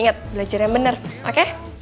ingat belajarnya bener oke